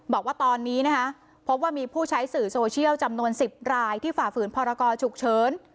บอกว่าตอนนี้นะคะพบว่ามีผู้ใช้สื่อโซเชียลจำนวน๑๐รายที่ฝ่าฝืนพรกรฉุกเฉิน